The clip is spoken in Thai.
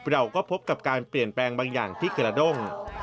เราก็พบกับการเปลี่ยนแปลงบางอย่างที่กระด้ง